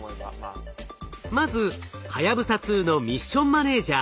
まずはやぶさ２のミッションマネージャ